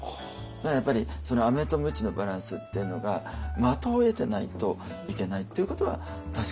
だからやっぱりそのアメとムチのバランスっていうのが的を射てないといけないっていうことは確かにあるかも分かりません。